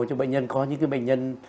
cho bệnh nhân có những cái bệnh nhân